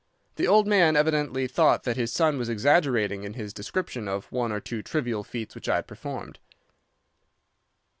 The old man evidently thought that his son was exaggerating in his description of one or two trivial feats which I had performed.